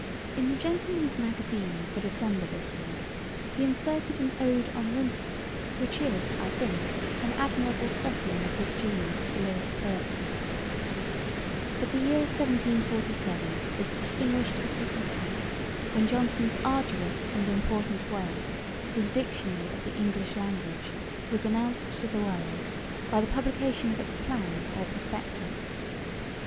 In the Gentleman's Magazine for December this year, he inserted an 'Ode on Winter,' which is, I think, an admirable specimen of his genius for lyrick poetry. [Page 182: The Plan of the Dictionary. A.D. 1747.] But the year 1747 is distinguished as the epoch, when Johnson's arduous and important work, his DICTIONARY OF THE ENGLISH LANGUAGE, was announced to the world, by the publication of its Plan or Prospectus.